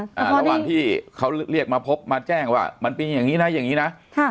ระหว่างที่เขาเรียกมาพบมาแจ้งว่ามันเป็นอย่างงี้นะอย่างงี้นะค่ะ